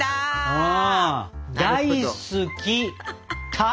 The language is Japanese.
大好き「タ」。